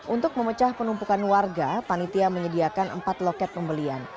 untuk memecah penumpukan warga panitia menyediakan empat loket pembelian